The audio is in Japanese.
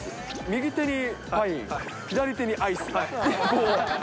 右手にパイン、左手にアイス。